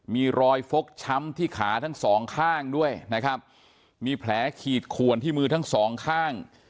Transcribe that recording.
มีรอยฟกช้ำที่ขาทั้งสองข้างด้วยนะครับมีแผลขีดขวนที่มือทั้งสองข้าง